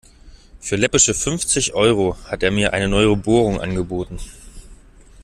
Für läppische fünfzig Euro hat er mir eine neue Bohrung angeboten.